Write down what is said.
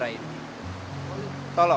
dan untuk memperoleh